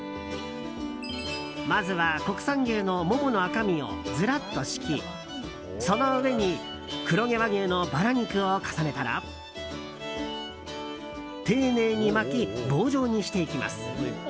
まずは国産牛のモモの赤身をずらっと敷きその上に黒毛和牛のバラ肉を重ねたら丁寧に巻き、棒状にしていきます。